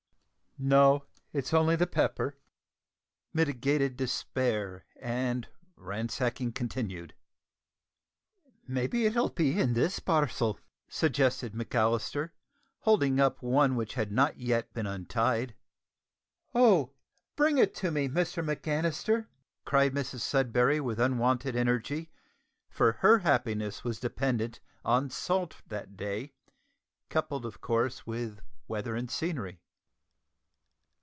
(hope revived.) "No, it's only the pepper." (Mitigated despair and ransacking continued.) "Maybe it'll be in this parcel," suggested McAllister, holding up one which had not yet been untied. "Oh! bring it to me, Mr Macannister!" cried Mrs Sudberry with unwonted energy, for her happiness was dependent on salt that day, coupled, of course, with weather and scenery.